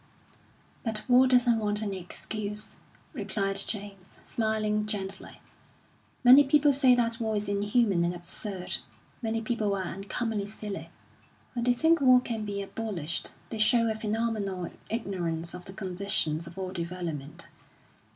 "But war doesn't want any excuse," replied James, smiling gently. "Many people say that war is inhuman and absurd; many people are uncommonly silly. When they think war can be abolished, they show a phenomenal ignorance of the conditions of all development.